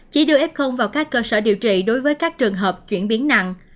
chỉ đưa f vào các cơ sở điều trị đối với các trường hợp chuyển biến nặng